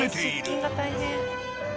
出勤が大変。